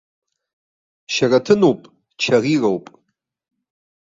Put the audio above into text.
Шьараҭынуп, чарироуп.